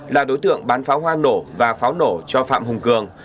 là đối tượng bán pháo hoa nổ và pháo nổ cho phạm hùng cường